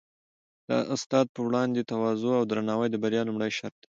د استاد په وړاندې تواضع او درناوی د بریا لومړی شرط دی.